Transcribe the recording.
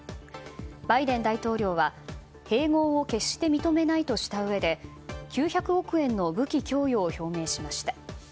バイデン大統領は併合を決して認めないとしたうえで９００億円の武器供与を表明しました。